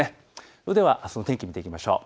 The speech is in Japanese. それではあすの天気見ていきましょう。